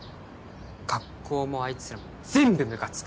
学校もあいつらも全部むかつく！